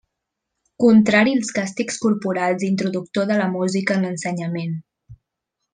Contrari als càstigs corporals i introductor de la música en l’ensenyament.